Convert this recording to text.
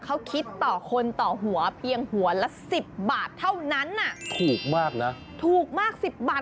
เขาคิดต่อคนต่อหัวเพียงหัวละ๑๐บาทเท่านั้นอ่ะถูกมากนะถูกมากสิบบาท